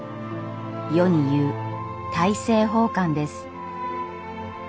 世に言う大政奉還です。